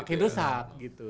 makin rusak gitu